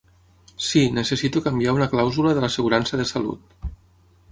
Sí, necessito canviar una clàusula de l'assegurança de salut.